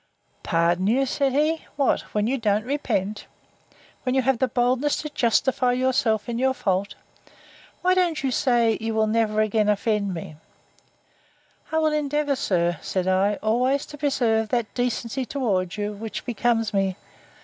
Pardon you! said he, What! when you don't repent?—When you have the boldness to justify yourself in your fault? Why don't you say, you never will again offend me? I will endeavour, sir, said I, always to preserve that decency towards you which becomes me.